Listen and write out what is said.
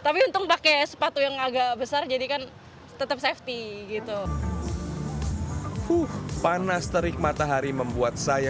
tapi untung pakai sepatu yang agak besar jadi kan tetap safety gitu panas terik matahari membuat saya